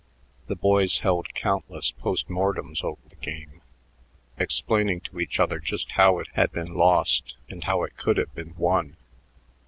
The boys held countless post mortems over the game, explaining to each other just how it had been lost or how it could have been won.